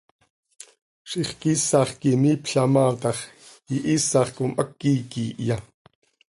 Ziix quiisax quih imiipla maa tax, ¿ihiisax com háqui quiihya?